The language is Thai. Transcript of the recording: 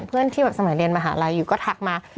เพื่อนที่แบบสมัยเรียนมหาลัยอยู่ก็ทักมา